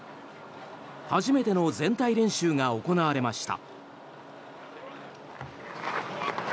初めての全体練習が行われました。